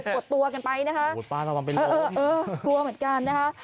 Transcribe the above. ปวดตัวกันไปนะฮะเออเออปวดตัวเหมือนกันนะฮะปวดตัวกันไปล้ม